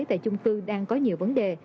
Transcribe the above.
tại chung cư đang có nhiều vấn đề